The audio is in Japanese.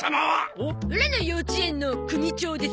オラの幼稚園の組長です。